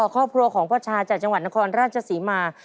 ครอบครัวของพ่อชาจากจังหวัดนครราชศรีมา